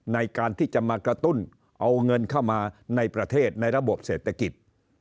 ในการที่จะมากระตุ้นเอาเงินเข้ามาในประเทศในระบบเศรษฐกิจ